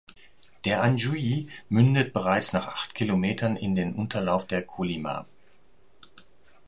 Der Anjui mündet bereits nach acht Kilometern in den Unterlauf der Kolyma.